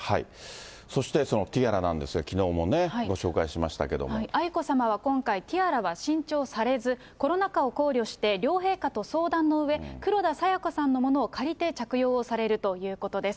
そしてそのティアラなんですが、きのうもね、ご紹介しました愛子さまは今回、ティアラは新調されず、コロナ禍を考慮して両陛下と相談のうえ、黒田清子さんのものを借りて着用をされるということです。